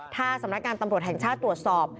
ถ้าสำนักงานตำรวจแห่งชาติตรวจสอบ